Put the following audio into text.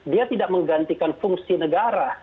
dia tidak menggantikan fungsi negara